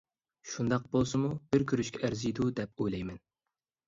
شۇنداق بولسىمۇ بىر كۆرۈشكە ئەرزىيدۇ دەپ ئويلايمەن.